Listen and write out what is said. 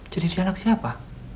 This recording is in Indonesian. jadi dia anak siapa